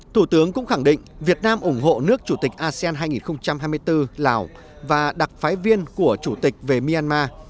thủ tướng cũng khẳng định việt nam ủng hộ nước chủ tịch asean hai nghìn hai mươi bốn lào và đặc phái viên của chủ tịch về myanmar